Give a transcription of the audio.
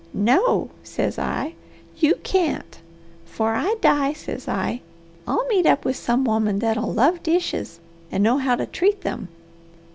'No, says I, 'you can't! 'Fore I die,' says I, 'I'll meet up with some woman that 'll love dishes and know how to treat them.'